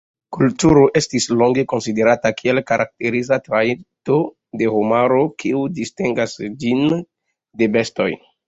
Kulturo estis longe konsiderata kiel karakteriza trajto de homaro, kiu distingas ĝin de bestoj.